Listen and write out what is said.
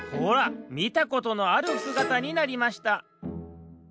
みたことのあるすがたになりました